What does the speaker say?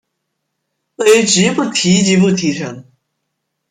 位于吉布提吉布提城。